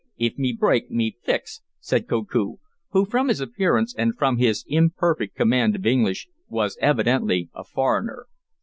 "If me break, me fix," said Koku, who, from his appearance and from his imperfect command of English, was evidently a foreigner.